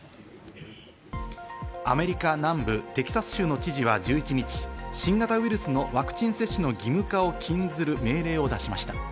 アメリカ南部テキサス州の知事は１１日、新型ウイルスのワクチン接種の義務化を禁ずる命令を出しました。